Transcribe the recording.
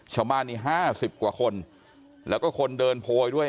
ชาวบ้านนี้๕๐กว่าคนแล้วก็คนเดินโพยด้วย